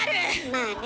まあね。